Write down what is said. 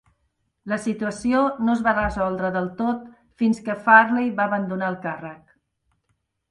La situació no es va resoldre del tot fins que Fareley va abandonar el càrrec.